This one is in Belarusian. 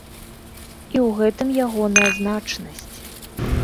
І ў гэтым ягоная значнасць.